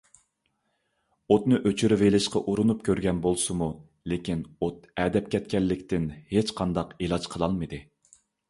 ئوتنى ئۆچۈرۈۋېلىشقا ئۇرۇنۇپ كۆرگەن بولسىمۇ، لېكىن ئوت ئەدەپ كەتكەنلىكتىن ھېچقانداق ئىلاج قىلالمىدى.